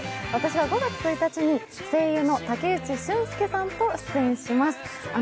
私は５月１日に声優の武内駿輔さんと出演します。